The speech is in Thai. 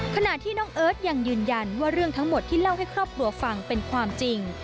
ขณะที่น้องเอิร์ทยังยืนยันว่าเรื่องทั้งหมดที่เล่าให้ครอบครัวฟังเป็นความจริง